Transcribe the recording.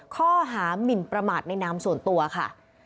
ข้อหามินประมาทในนามส่วนตัวค่ะ